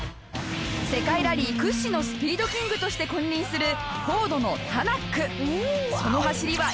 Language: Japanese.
世界ラリー屈指のスピードキングとして君臨するフォードのタナック。